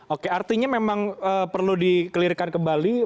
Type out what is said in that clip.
oke artinya memang perlu dikelirkan kembali